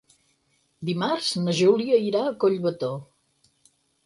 Dimarts na Júlia irà a Collbató.